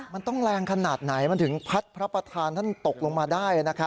มันต้องแรงขนาดไหนมันถึงพัดพระประธานท่านตกลงมาได้